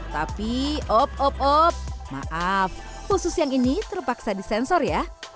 tapi op op op maaf khusus yang ini terpaksa disensor ya